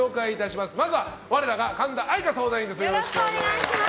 まずは我らが神田愛花相談員です。